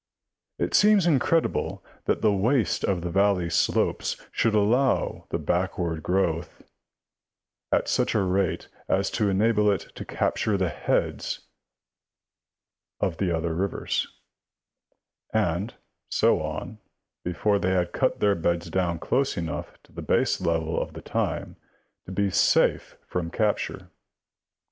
It seems incredible that the waste of the valley slopes should allow the backward growth of N at such a rate as to enable it to capture the heads of C, Tn, F, and so on, before they had cut their beds down close enough to the baselevel of the time to be safe from capture.